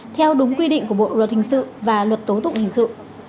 theo đúng quy định của bộ luật hình sự và luật tố tụng hình sự